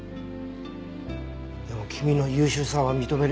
でも君の優秀さは認めるよ。